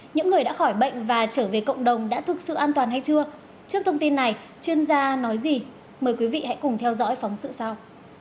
những người đã khỏi bệnh và trở về cộng đồng đã thực sự an toàn hay chưa trước thông tin này chuyên gia nói gì mời quý vị hãy cùng theo dõi phóng sự sau